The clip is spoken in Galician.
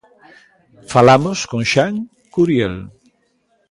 Falamos con Xoán Curiel.